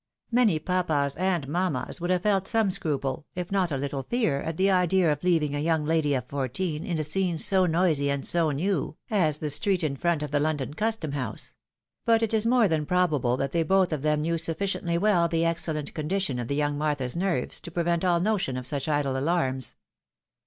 Many papas and mammas would have felt some scruple, if not a. little fear, at the idea of leaving a young lady of fourteen in 72 THE WIDOW MARRIED. a scene so noisy and so new, as the street in front of the London Custom house : but it is more than probable that they both of them knew sufficiently well the excellent condition of the young Martha's nerves, to prevent all notion of such idle alarms.